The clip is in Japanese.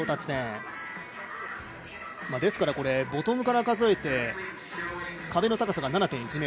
ですからこれ、ボトムから数えて壁の高さが７．１ｍ。